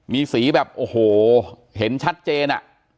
มีสีแบบโอ้โหเห็นชัดเจนอ่ะ